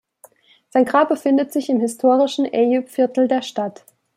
Sein Grab befindet sich im historischen Eyüp-Viertel der Stadt.